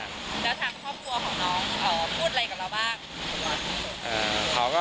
แล้วภาพกับความกลัวของน้อง